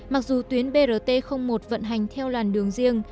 mặc dù tuyến brt một vận hành theo làn đường riêng